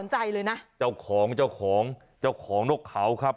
นี่ครับเป็นจุดสนใจเลยน่ะเจ้าของโน๊กเขาครับ